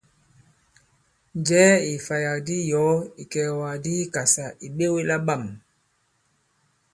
Njɛ̀ɛ ì ìfàyàk di i yɔ̀ɔ ìkɛ̀ɛ̀wàk di i Ikàsà ì ɓewe la bâm!